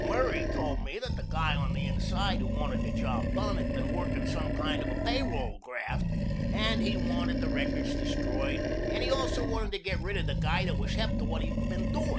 Murray told me that the guy on the inside who wanted the job done had been working some kind of a pay roll graft and he wanted the records destroyed, and he also wanted to get rid of the guy that was hep to what he had been doin'.